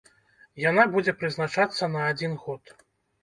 Яна будзе прызначацца на адзін год.